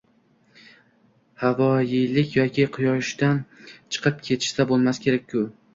Havoyilik yoki quyushqondan chiqib ketish bo‘lmasa kerak bu.